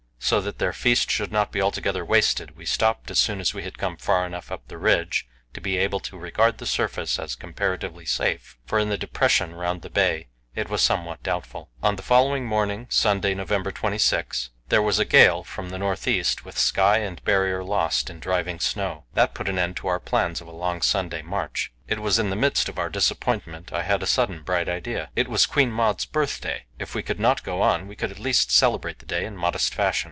So that their feast should not be altogether wasted, we stopped as soon as we had come far enough up the ridge to be able to regard the surface as comparatively safe; for in the depression round the bay it was somewhat doubtful. On the following morning Sunday, November 26 there was a gale from the north east with sky and Barrier lost in driving snow. That put an end to our plans of a long Sunday march. In the midst of our disappointment I had a sudden bright idea. It was Queen Maud's birthday! If we could not go on, we could at least celebrate the day in a modest fashion.